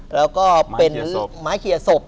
แล้วก็เป็นไม้เคลียร์ศพ